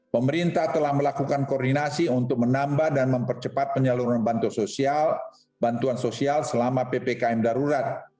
pemerintah telah melakukan koordinasi untuk menambah dan mempercepat penyaluran bantuan sosial bantuan sosial selama ppkm darurat